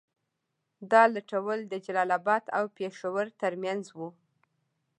دا لوټول د جلال اباد او پېښور تر منځ وو.